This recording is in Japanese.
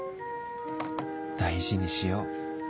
大事にしよう